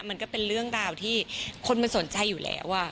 มันก็เป็นเรื่องราวที่คนมันสนใจอยู่แล้ว